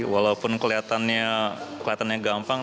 walaupun kelihatannya gampang